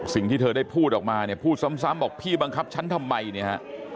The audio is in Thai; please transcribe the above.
สิ่งที่เธอได้พูดออกมาเนี่ยพูดซ้ำบอกพี่บังคับฉันทำไมเนี่ยฮะ